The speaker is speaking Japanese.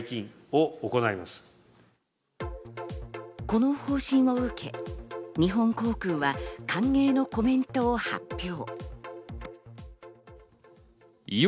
この方針を受け、日本航空は歓迎のコメントを発表。